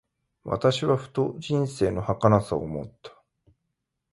私はふと、人生の儚さを思った。